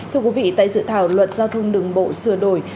thưa quý vị tại sự thảo luận giao thông đường bộ sửa đổi